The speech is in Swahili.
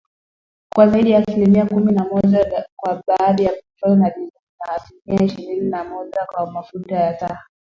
kwa zaidi ya asilimia kumi na moja kwa bidhaa ya petroli na dizeli, na asilimia ishini na moja kwa mafuta ya taa